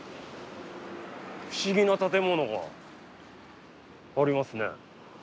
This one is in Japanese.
不思議な建物がありますね。